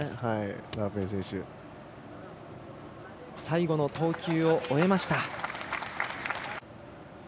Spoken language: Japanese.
最後の投球を終えました。